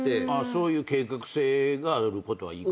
そういう計画性があるのはいい。